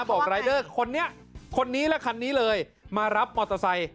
บอกรายเดอร์คนนี้คนนี้และคันนี้เลยมารับมอเตอร์ไซค์